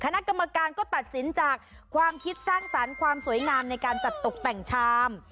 คณะกรรมการก็ตัดสินจากความคิดสร้างสรรค์ความสวยงามในการจัดตกแต่งชาม